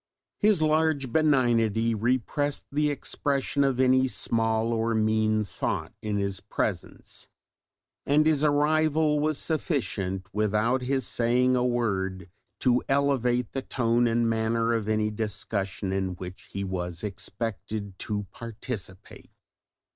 His large benignity repressed the expression of any small or mean thought in his presence; and his arrival was sufficient without his saying a word to elevate the tone and manner of any discussion in which he was expected to participate.